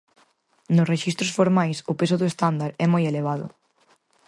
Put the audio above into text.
Nos rexistros formais, o peso do estándar é moi elevado.